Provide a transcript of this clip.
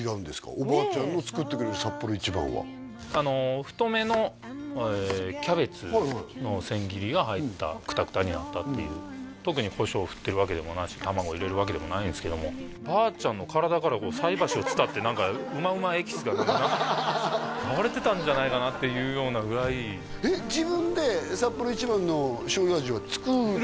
おばあちゃんの作ってくれるサッポロ一番は太めのキャベツの千切りが入ったクタクタになったっていう特にコショウ振ってるわけでもなし卵入れるわけでもないんですけども流れてたんじゃないかなっていうようなぐらい自分でサッポロ一番のしょうゆ味を作るでしょ？